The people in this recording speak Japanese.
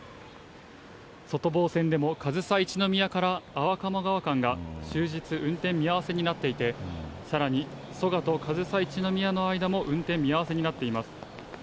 外房線でも上総一ノ宮から安房鴨川間が終日運転見合わせになっていて、さらにそがと上総一ノ宮の間も運転見合わせになっています。